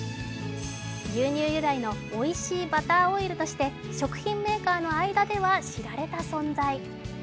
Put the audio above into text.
牛乳由来のおいしいバターオイルとして食品メーカーの間では知られた存在。